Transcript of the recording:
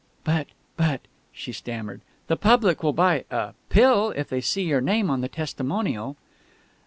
"But but " she stammered, "the public will buy a Pill if they see your name on the testimonial!"